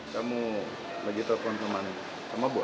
kamu lagi telepon teman sama bu